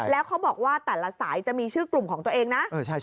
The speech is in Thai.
แล้วเขาบอกว่าแต่ละสายจะมีชื่อกลุ่มของตัวเองนะ